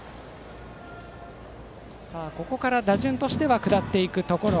ここから打順としては下っていくところ。